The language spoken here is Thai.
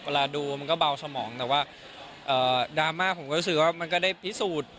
ดูมันก็เบาสมองแต่ว่าดราม่าผมก็รู้สึกว่ามันก็ได้พิสูจน์